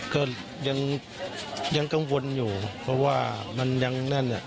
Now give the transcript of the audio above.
ก็ยังกังวลอยู่เพราะว่ามันยังนั่นอ่ะ